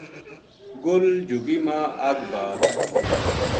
گل جھُگی ما اگ بال